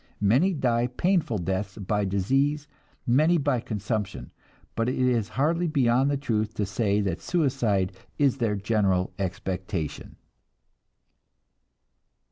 Many die painful deaths by disease, many by consumption, but it is hardly beyond the truth to say that suicide is their general expectation."